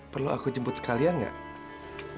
perlu aku jemput sekalian nggak